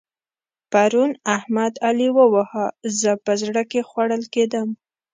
پرون احمد؛ علي وواهه. زه په زړه کې خوړل کېدم.